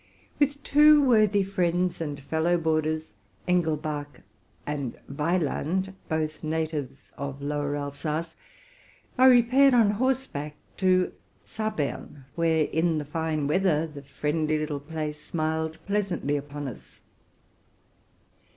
With two worthy friends and fellow boarders, Engelbach and Weyland, both natives of Lower Alsace, I repaired on horseback to Zabern, where, in the fine weather, the friendly little place smiled pleasantly upon us.